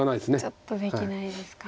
ちょっとできないですか。